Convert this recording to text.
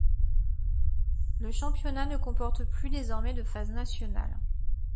Le championnat ne comporte plus désormais de phase nationale.